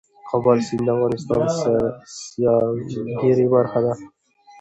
د کابل سیند د افغانستان د سیلګرۍ برخه ده.